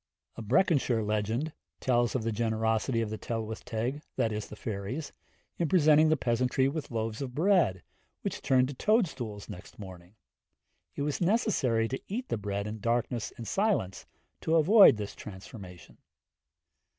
A Breconshire legend tells of the generosity of the Tylwyth Teg in presenting the peasantry with loaves of bread, which turned to toadstools next morning; it was necessary to eat the bread in darkness and silence to avoid this transformation.